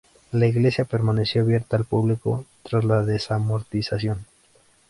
La iglesia permaneció abierta al público tras la desamortización.